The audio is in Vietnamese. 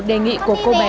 đi học lớp hai